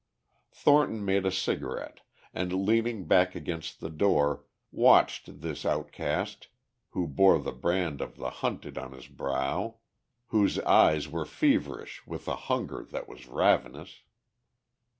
Thornton made a cigarette and leaning back against the door watched this outcast who bore the brand of the hunted on his brow, whose eyes were feverish with a hunger that was ravenous.